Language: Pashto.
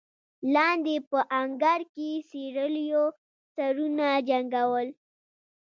لاندې په انګړ کې سېرليو سرونه جنګول.